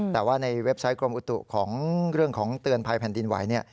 แต่ว่าในเว็บไซต์กรมอุตุของเรื่องของเตือนภัยแผ่นดินไหวเนี่ย